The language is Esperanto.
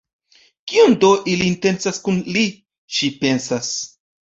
Kion do ili intencas kun li?, ŝi pensas.